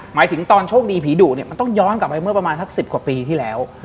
หมายถึงตอนโชคดีผีดุเนี่ยมันต้องย้อนกลับไปเมื่อประมาณสัก๑๐กว่าปีที่แล้ว